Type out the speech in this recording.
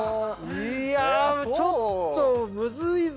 いやちょっとむずいぞ。